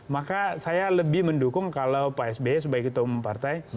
maka saya lebih mendukung kalau pak sby sebagai ketua umum partai